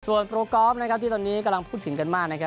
ส่วนโปร์กอล์ฟที่ตอนนี้กำลังพูดถึงกันมาก